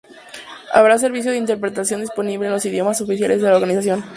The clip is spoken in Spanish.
Habrá servicio de interpretación disponible en los idiomas oficiales de la Organización.